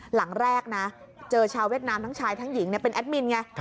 หลังแรกนะเจอชาวเวียดนามทั้งชายทั้งหญิงเป็นแอดมินไง